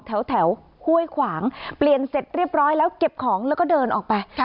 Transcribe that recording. แถวห้วยขวางเปลี่ยนเสร็จเรียบร้อยแล้วเก็บของแล้วก็เดินออกไป